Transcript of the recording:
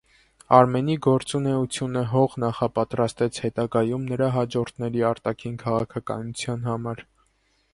Արամեի գործունեությունը հող նախապատրաստեց հետագայում նրա հաջորդների արտաքին քաղաքականության համար։